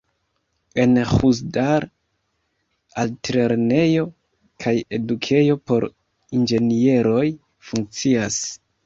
En Ĥuzdar altlernejo kaj edukejo por inĝenieroj funkcias.